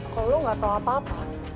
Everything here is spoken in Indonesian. kalau lo gak tau apa apa